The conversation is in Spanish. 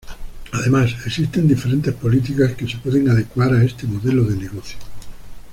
Además existen diferentes políticas que se pueden adecuar a este modelo de negocio..